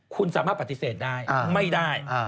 คุณสามารถปฏิเสธได้ไม่ได้